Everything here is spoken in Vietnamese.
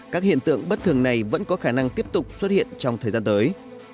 các hiện tượng bất thường này vẫn có khả năng tiếp tục xuất hiện trong thời gian tới